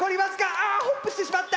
ああホップしてしまった！